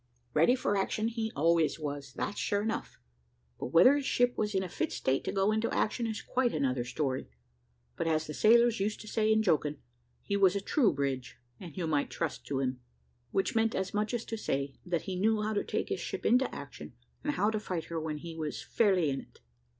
Ready for action he always was, that's sure enough, but whether his ship was in a fit state to go into action, is quite another thing. But as the sailors used to say in joking, he was a true bridge, and you might trust to him; which meant as much as to say, that he knew how to take his ship into action, and how to fight her when he was fairly in it.